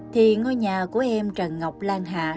thì ngôi nhà của em trần ngọc lan hạ